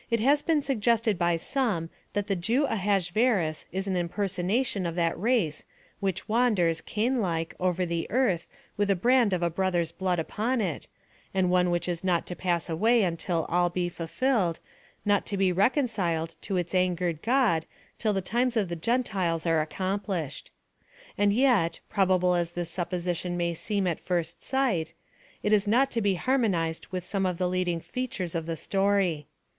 It has been suggested by some that the Jew Ahasverus is an impersonation of that race which wanders, Cain like, over the earth with the brand of a brother's blood upon it, and one which is not to pass away till all be fulfilled, not to be reconciled to its angered God till the times of the Gentiles are accomplished. And yet, probable as this supposition may seem at first sight, it is not to be harmonized with some of the leading features of the story.